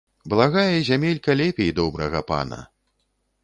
Благая зямелька лепей добрага пана